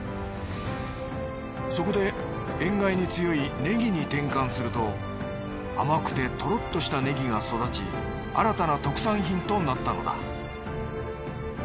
そこで塩害に強いねぎに転換すると甘くてとろっとしたねぎが育ち新たな特産品となったのだ。